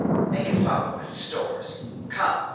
They can follow with the stores. Come!